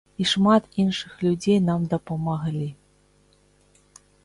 І шмат іншых людзей нам дапамаглі.